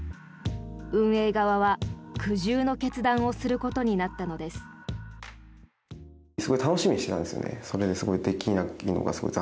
運営側は苦渋の決断をすることになったのです。